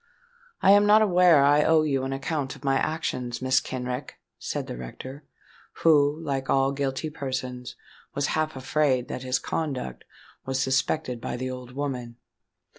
"I am not aware that I owe you an account of my actions, Mrs. Kenrick," said the rector, who, like all guilty persons, was half afraid that his conduct was suspected by the old woman.